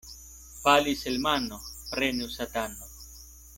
Falis el mano, prenu satano.